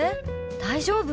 大丈夫？